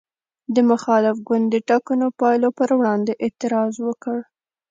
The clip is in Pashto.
د مخالف ګوند د ټاکنو پایلو پر وړاندې اعتراض وکړ.